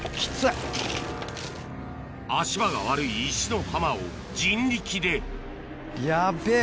足場が悪い石の浜を人力でヤベェ